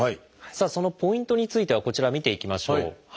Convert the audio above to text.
さあそのポイントについてはこちら見ていきましょう。